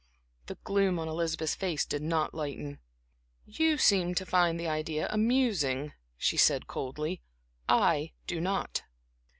The gloom on Elizabeth's face did not lighten. "You seem to find the idea amusing," she said, coldly. "I do not."